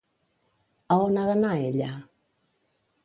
A on ha d'anar ella?